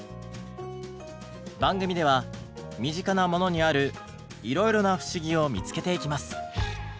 番組では身近なものにあるいろいろな不思議を見つけていきます。